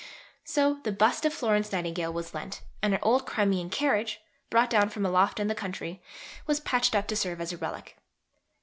So the "bust of Florence Nightingale" was lent, and her old "Crimean carriage," brought down from a loft in the country, was patched up to serve as a "relic."